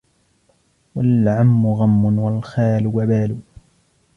وَالْعَمُّ غَمٌّ وَالْخَالُ وَبَالٌ